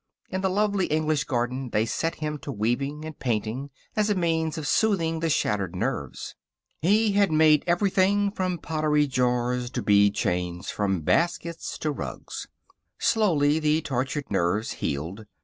In the lovely English garden they set him to weaving and painting as a means of soothing the shattered nerves. He had made everything from pottery jars to bead chains, from baskets to rugs. Slowly the tortured nerves healed.